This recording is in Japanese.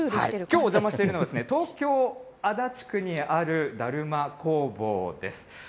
きょうお邪魔しているのは、東京・足立区にあるだるま工房です。